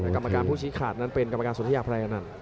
กรรมการผู้ชี้ขาดนั้นเป็นกรรมการสนทิยาพรายอนันต์